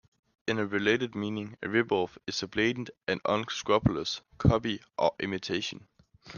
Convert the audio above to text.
In a related meaning, a ripoff is a blatant or unscrupulous copy or imitation.